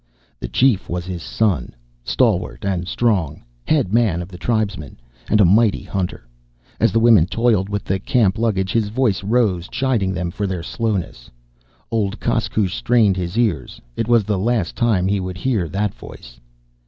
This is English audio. The chief was his son, stalwart and strong, head man of the tribesmen, and a mighty hunter. As the women toiled with the camp luggage, his voice rose, chiding them for their slowness. Old Koskoosh strained his ears. It was the last time he would hear that voice.